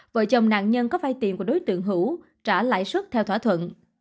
vợ chồng nạn nhân có vai tiền của đối tượng hữu trả lại suất theo thỏa thuận